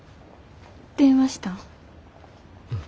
電話したん？